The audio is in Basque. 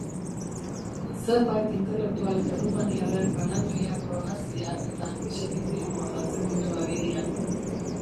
Zenbait intelektual errumaniarren paranoia pronazia eta antisemitismoa jartzen ditu agerian.